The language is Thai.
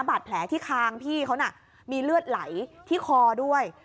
บาดแผลที่คางพี่เขาน่ะมีเลือดไหลที่คอด้วย